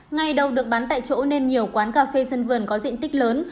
ngày đầu được bán tại chỗ nên nhiều quán cà phê sân vườn có diện tích lớn